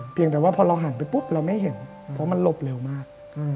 แต่ว่าพอเราหันไปปุ๊บเราไม่เห็นเพราะมันหลบเร็วมาก